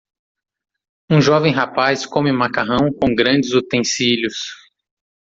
Um jovem rapaz come macarrão com grandes utensílios.